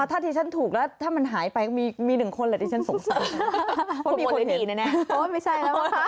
ถ้าทีชันถูกแล้วถ้ามันหายไปก็มีนั่งคนที่จะสงสัย